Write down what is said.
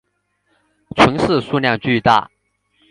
存世数量巨大。